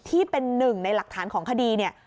ที่เป็นหนึ่งในหลักฐานของคดีเนี่ย